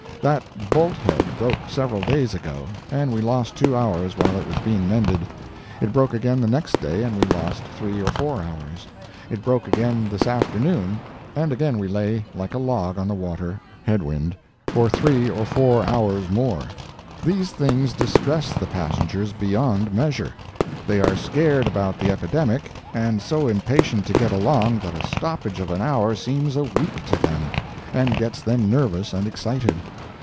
"That bolt head broke several days ago, and we lost two hours while it was being mended. It broke again the next day, and we lost three or four hours. It broke again this afternoon, and again we lay like a log on the water (head wind,) for three or four hours more. These things distress the passengers beyond measure. They are scared about the epidemic and so impatient to get along that a stoppage of an hour seems a week to them, and gets them nervous and excited.